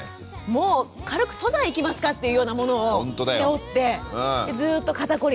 もう軽く登山行きますかっていうようなものを背負ってでずっと肩こりで。